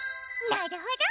なるほど！